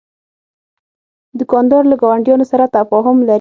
دوکاندار له ګاونډیانو سره تفاهم لري.